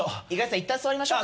いったん座りましょうか。